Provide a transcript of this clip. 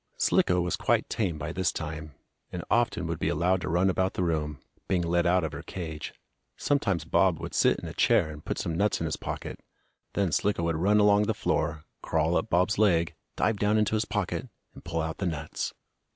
Slicko was quite tame by this time, and often would be allowed to run about the room, being let out of her cage. Sometimes Bob would sit in a chair, and put some nuts in his pocket. Then Slicko would run along on the floor, crawl up Bob's leg, dive down into his pocket, and pull out the nuts.